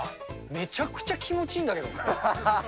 めちゃくちゃ気持ちいいんだけど。